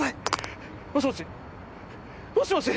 もしもし？